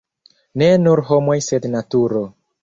ne nur homoj sed naturo